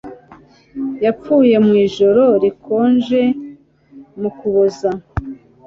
Yapfuye mu ijoro rikonje mu Kuboza